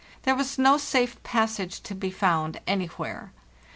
There was no safe passage across to be found anywhere.